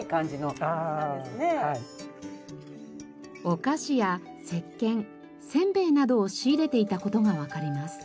お菓子やせっけんせんべいなどを仕入れていた事がわかります。